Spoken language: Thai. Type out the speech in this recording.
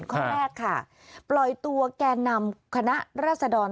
ข้อแรกค่ะปล่อยตัวแก่นำคณะราษดร